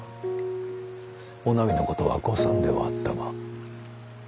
おなみの事は誤算ではあったが。